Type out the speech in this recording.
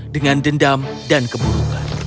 dengan dendam dan keburukan